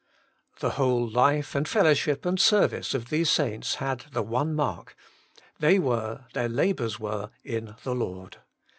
The whole life and fellowship and service of these saints had the one mark — they were, their labours were, in the Lord.